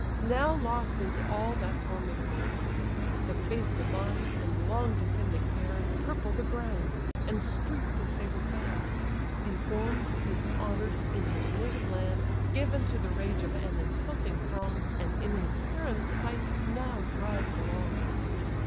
Now lost is all that formidable air; The face divine, and long descending hair, Purple the ground, and streak the sable sand; Deform'd, dishonour'd, in his native land, Given to the rage of an insulting throng, And, in his parents' sight, now dragg'd along!